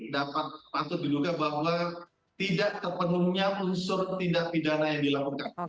dapat patut diduga bahwa tidak terpenuhnya unsur tindak pidana yang dilakukan